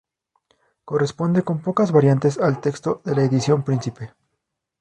Corresponde, con pocas variantes, al texto de la edición príncipe.